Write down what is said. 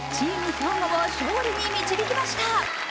兵庫を勝利に導きました。